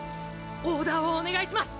オーダーをお願いします！！